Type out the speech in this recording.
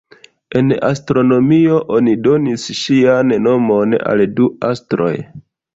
En astronomio, oni donis ŝian nomon al du astroj.